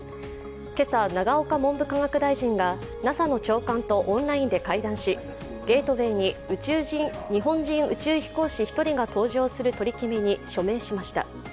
けさ、永岡文部科学大臣がＮＡＳＡの長官とオンラインで会談しゲートウェイに日本人宇宙飛行士１人が搭乗する取り決めに署名しました。